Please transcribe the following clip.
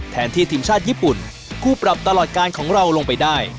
แทนที่ทีมชาติญี่ปุ่นคู่ปรับตลอดการของเราลงไปได้